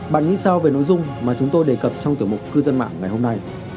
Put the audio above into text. bạn nghĩ sao về nội dung mà chúng tôi đề cập trong tiểu mục cư dân mạng ngày hôm nay